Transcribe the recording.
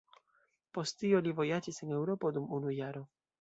Post tio li vojaĝis en Eŭropo dum unu jaro.